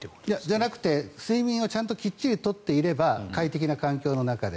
じゃなくて睡眠をきっちり取っていれば快適な環境の中で。